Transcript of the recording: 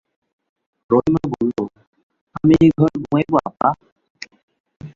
রহিমা বলল, আমি এই ঘরে ঘুমাইব আপা?